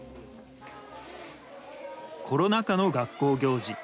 コロナ禍の学校行事。